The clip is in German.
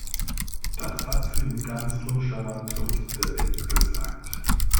Das hat sie ihm ganz uncharmant und direkt gesagt.